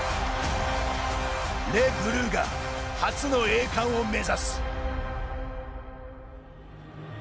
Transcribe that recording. レ・ブルーが初の栄冠を目指す。